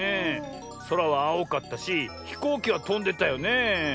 そらはあおかったしひこうきはとんでたよねえ。